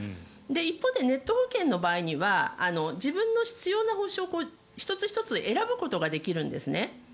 一方でネット保険の場合には自分の必要な補償を１つ１つ選ぶことができるんですね。